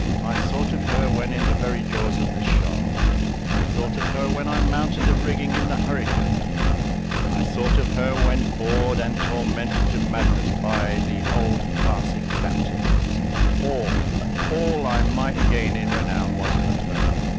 I thought of her when in the very jaws of the shark; I thought of her when I mounted the rigging in the hurricane; I thought of her when bored and tormented to madness by the old passing captains; all, all I might gain in renown was for her.